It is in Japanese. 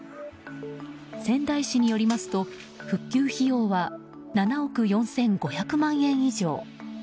仙台市によりますと復旧費用は７億４５００万円以上。